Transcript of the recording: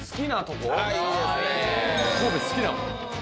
神戸好きだもん！